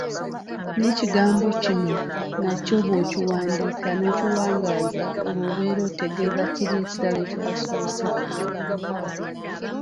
N’ekigambo kino nakyo bw’okiwandiika n’okiwangaaza, olwo obeera otegeeza kiri ekirala ekyasoose.